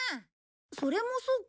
それもそうか。